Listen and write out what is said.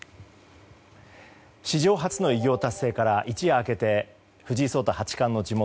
史上初の偉業達成から一夜明けて藤井聡太八冠の地元